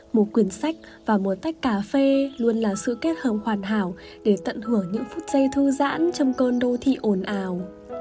một quyển sách và một tách cà phê luôn là sự kết hợp hoàn hảo để tận hưởng những phút giây thư giãn trong cơn đô thị ồn ào